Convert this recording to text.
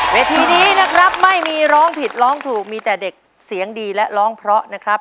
เวทีนี้นะครับไม่มีร้องผิดร้องถูกมีแต่เด็กเสียงดีและร้องเพราะนะครับ